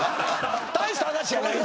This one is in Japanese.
大した話じゃないですよ。